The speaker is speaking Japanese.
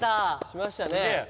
しましたね。